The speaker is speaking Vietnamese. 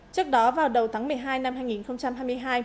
trước đó vào đầu tháng một mươi hai năm hai nghìn hai mươi hai